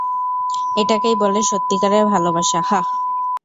এটাকেই বলে সত্যিকারের ভালোবাসা, হাহ?